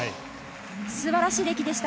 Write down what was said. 素晴らしい出来でした。